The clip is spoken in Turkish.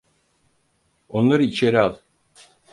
Onları içeri al.